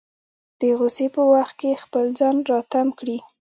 د غوسې په وخت کې خپل ځان راتم کړي.